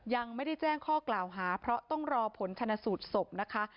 ยังไม่ได้แจ้งข้อกล่าวหาเพราะต้องรอผลชนะสูตรศพนะคะ